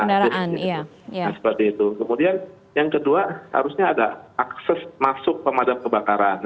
kemudian yang kedua harusnya ada akses masuk pemadam kebakaran